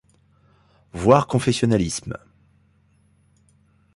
Voir Confessionnalisme.